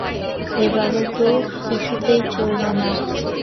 এবারে তা কিছুতেই চলবে না।